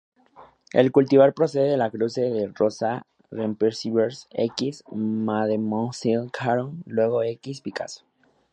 El cultivar procede del cruce de "Rosa sempervirens" x 'Mademoiselle Caron', luego x 'Picasso'.